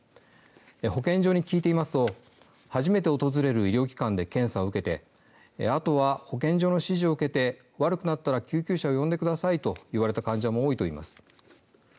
保健所に聞いていますと初めて訪れる医療機関で検査を受けて「あとは保健所の指示を受けて悪くなったら救急車を呼んでください」と言われた患者も多いといいます。